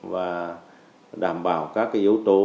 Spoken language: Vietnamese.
và đảm bảo các cái yếu tố